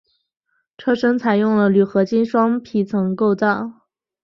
车身采用了铝合金双皮层构造。